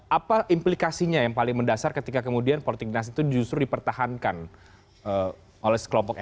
apa implikasinya yang paling mendasar ketika kemudian politik dinasti itu justru dipertahankan oleh sekelompok eli